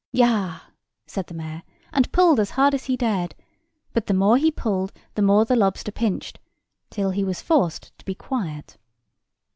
"Yah!" said the mayor, and pulled as hard as he dared: but the more he pulled, the more the lobster pinched, till he was forced to be quiet.